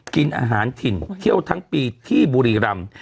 กินอาหารถิ่นเที่ยวทั้งปีที่บุรีรำ